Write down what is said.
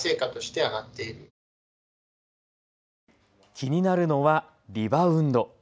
気になるのはリバウンド。